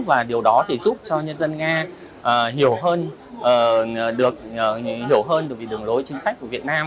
và điều đó thì giúp cho nhân dân nga hiểu hơn được hiểu hơn về đường lối chính sách của việt nam